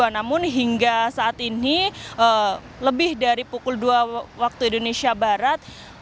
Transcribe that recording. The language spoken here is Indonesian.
namun hingga saat ini lebih dari pukul dua waktu indonesia barat